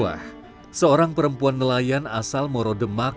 masnuah seorang perempuan nelayan asal moro demak